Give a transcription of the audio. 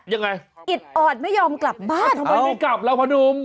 ยังไงอิดออดไม่ยอมกลับบ้านทำไมไม่กลับแล้วพ่อนุ่ม